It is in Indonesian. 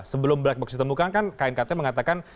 sebelum black box ditemukan kan knkt mengatakan